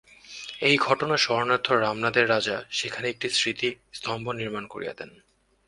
এই ঘটনা স্মরণার্থ রামনাদের রাজা সেখানে একটি স্মৃতিস্তম্ভ নির্মাণ করিয়া দেন।